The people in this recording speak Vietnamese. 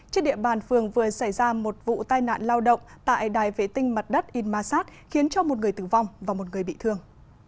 trên địa bàn phường vừa xảy ra một vụ tai nạn lao động tại đài vệ tinh mặt đất inmasat khiến cho một người tử vong và một người bị thương